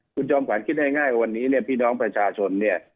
คุณจอมขวัญคิดง่ายวันนี้เนี่ยพี่น้องประชาชนเนี่ย